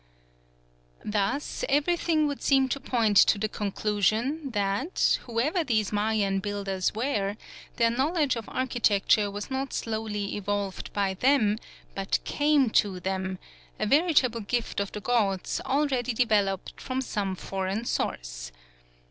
Thus everything would seem to point to the conclusion that, whoever these Mayan builders were, their knowledge of architecture was not slowly evolved by them, but came to them, a veritable gift of the gods, already developed, from some foreign source.